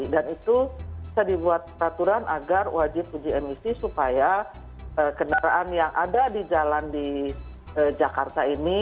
dan itu bisa dibuat peraturan agar wajib uji emisi supaya kendaraan yang ada di jalan di jakarta ini